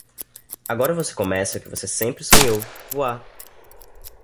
Agora você começa o que você sempre sonhou: voar!